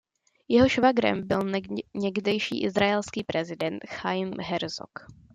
Jeho švagrem byl někdejší izraelský prezident Chajim Herzog.